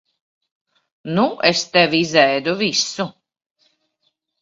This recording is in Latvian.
Nu es tev izēdu visu.